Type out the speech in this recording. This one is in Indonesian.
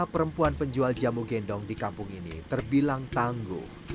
pembeli pembeli yang menjual jamu gendong di kampung ini terbilang tangguh